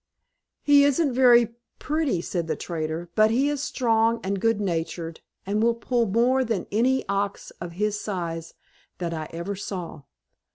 "He isn't very pretty," said the trader, "but he is strong and good natured, and will pull more than any ox of his size that I ever saw.